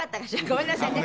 ごめんなさいね。